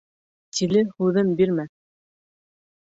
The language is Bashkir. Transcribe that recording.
Тиле һүҙен бирмәҫ.